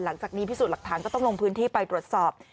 หลังจากนี้พิสูจน์หลักฐานก็ต้องลงพื้นที่ไปตรวจสอบ